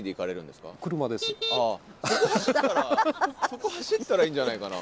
そこ走ったらいいんじゃないかな。